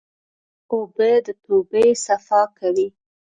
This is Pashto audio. اوبه د توبه صفا کوي.